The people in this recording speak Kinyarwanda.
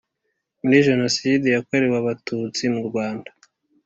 muri Jenoside yakorewe abatutsi mu Rwanda